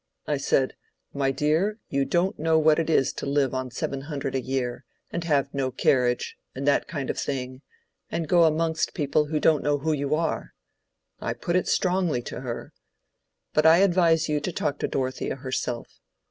I said, 'My dear, you don't know what it is to live on seven hundred a year, and have no carriage, and that kind of thing, and go amongst people who don't know who you are.' I put it strongly to her. But I advise you to talk to Dorothea herself.